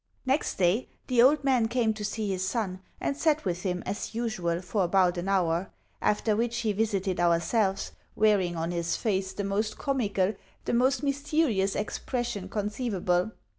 Next day the old man came to see his son, and sat with him, as usual, for about an hour; after which he visited ourselves, wearing on his face the most comical, the most mysterious expression conceivable.